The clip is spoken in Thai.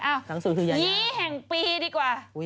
อ้าวยีแห่งปีดีกว่า